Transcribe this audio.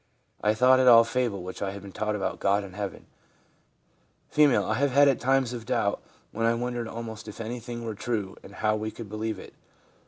I thought it all fable which I had been taught about God and heaven/ F. ' I have had times of doubt when I wondered almost if anything were true and how we could believe it.